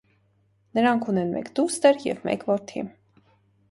Նրանք ունեն մեկ դուստր և մեկ որդի։